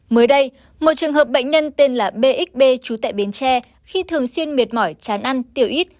mới đây một trường hợp bệnh nhân tên là bxb chú tại bến tre khi thường xuyên mệt mỏi chán ăn tiểu ít